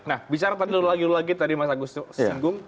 nah bicara tadi lulagi lulagi tadi mas agus singgung